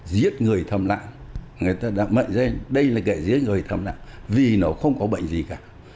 giết người thầm lặng người ta đã mệnh danh đây là kẻ giết người thầm nặng vì nó không có bệnh gì cả